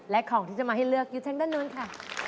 และของที่จะมาให้เลือกอยู่ทางด้านนู้นค่ะ